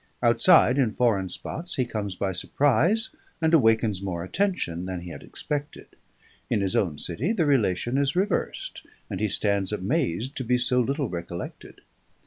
Outside, in foreign spots, he comes by surprise and awakens more attention than he had expected; in his own city, the relation is reversed, and he stands amazed to be so little recollected.